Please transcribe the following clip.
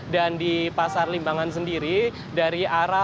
dan di pasar limbangan sendiri dari arah